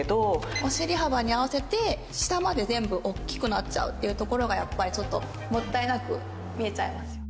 お尻幅に合わせて下まで全部大きくなっちゃうっていうところがやっぱりちょっともったいなく見えちゃいます。